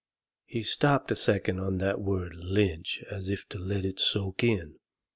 He stopped a second on that word LYNCH as if to let it soak in.